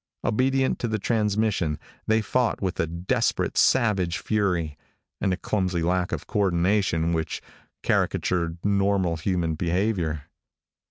Obedient to the transmission, they fought with a desperate, savage fury and a clumsy lack of co ordination which caricatured normal human behavior.